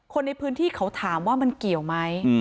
คนในพื้นที่เขาถามว่ามันเกี่ยวไหม